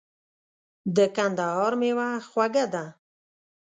د کندهار مېوه خوږه ده .